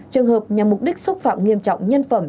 trường hợp nhằm mục đích xúc phạm nghiêm trọng nhân phẩm